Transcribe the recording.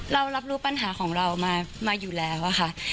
เรารับรู้ปัญหาของเรามาอยู่แล้วค่ะ